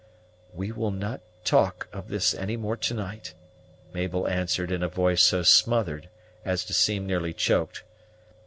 "We will not talk of this any more to night," Mabel answered in a voice so smothered as to seem nearly choked.